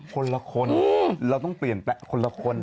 คนละคนเราต้องเปลี่ยนแปลงคนละคน